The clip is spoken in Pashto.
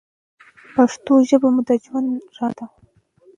پښتو ژبه مو د ژوند رڼا ده.